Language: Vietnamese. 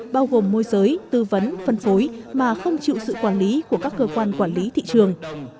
bao gồm môi giới tư vấn phân phối mà không chịu sự quản lý của các cơ quan quản lý thị trường